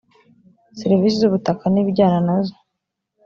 serivise zubutakani ibijyana nazo